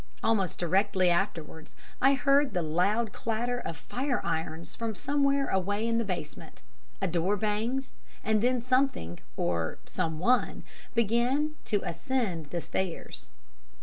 Almost directly afterwards I heard the loud clatter of fire irons from somewhere away in the basement, a door banged, and then something, or someone, began to ascend the stairs.